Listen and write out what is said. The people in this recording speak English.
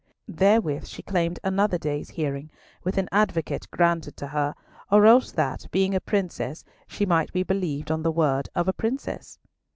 Therewith she claimed another day's hearing, with an advocate granted to her, or else that, being a Princess, she might be believed on the word of a Princess.